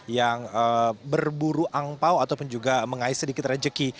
yang berburu angpao ataupun juga mengais sedikit rezeki